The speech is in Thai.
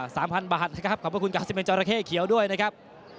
สามพันบาทนะครับขอบคุณกาซิเมนจอราเข้เขียวด้วยนะครับ